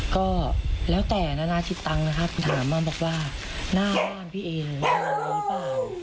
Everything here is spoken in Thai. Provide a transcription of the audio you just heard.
ก็แล้วแต่นานาจิตตังค์นะครับถามมาบอกว่าหน้าบ้านพี่เองหรือเปล่า